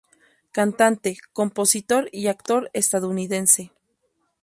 Cantante, compositor y actor estadounidense.